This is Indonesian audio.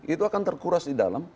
itu akan terkuras di dalam